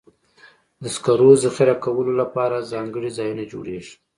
د سکرو ذخیره کولو لپاره ځانګړي ځایونه جوړېږي.